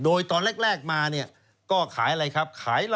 โดยตอนแรกมาเนี่ยก็ขายอะไรครับ